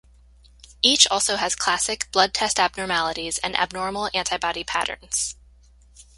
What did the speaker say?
Each also has "classic" blood test abnormalities and abnormal antibody patterns.